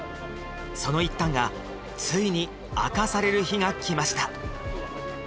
その一端がついに明かされる日が来ました